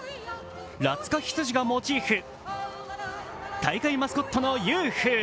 ラツカ羊がモチーフ、大会マスコットのユーフー。